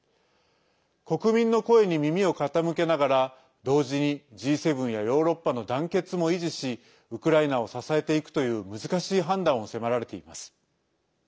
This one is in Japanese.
国民の声に耳を傾けながら同時にＧ７やヨーロッパの団結も維持しウクライナを支えていくという難しい判断を迫られています。